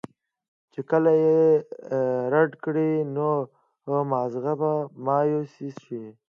چې کله ئې رد کړي نو مازغۀ به مايوسه شي